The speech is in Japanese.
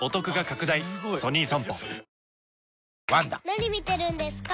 ・何見てるんですか？